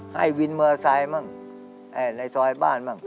ให้วินเมอร์ไซม่ะในซอยบ้านแม่ง